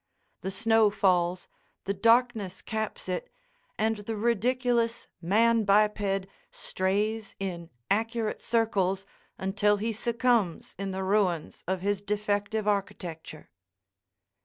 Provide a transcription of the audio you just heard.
The snow falls, the darkness caps it, and the ridiculous man biped strays in accurate circles until he succumbs in the ruins of his defective architecture.